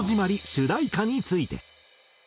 主題歌について。